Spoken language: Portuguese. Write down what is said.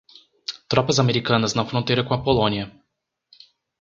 Tropas americanas na fronteira com a Polônia